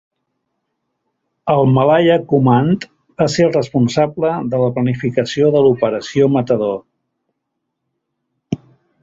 El Malaya Command va ser el responsable de la planificació de l'Operació Matador.